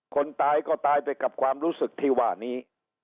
คนตายก็ตายไปกับความรู้สึกที่ว่านี้